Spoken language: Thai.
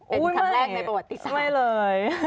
เป็นครั้งแรกในประวัติศาสตร์เลย